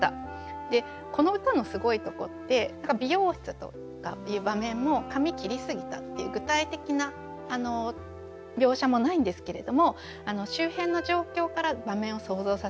でこの歌のすごいとこって「美容室」とかっていう場面も「髪切りすぎた」っていう具体的な描写もないんですけれども周辺の状況から場面を想像させる。